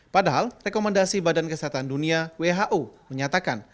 padahal rekomendasi badan kesehatan dunia who menyatakan